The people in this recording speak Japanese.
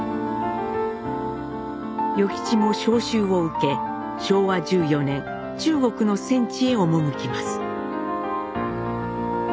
与吉も召集を受け昭和１４年中国の戦地へ赴きます。